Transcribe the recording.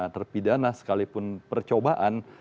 terpidana sekalipun percobaan